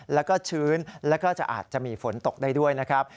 แล้วก็ชื้นแล้วก็จะอาจจะมีฝนตกได้ด้วยนะครับ